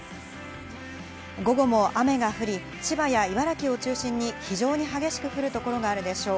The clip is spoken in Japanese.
午後も雨が降り、千葉や茨城を中心に非常に激しく降る所があるでしょう。